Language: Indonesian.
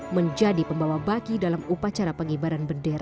menjadi pembawa baki dalam upacara pengibaran bendera